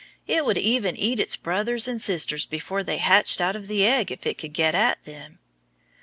It would even eat its brothers and sisters before they hatched out of the egg if it could get at them.